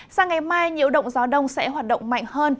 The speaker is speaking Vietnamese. sang ngày mai nhiễu động gió đông sẽ hoạt động mạnh hơn